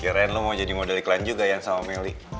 keren lo mau jadi model iklan juga yan sama meli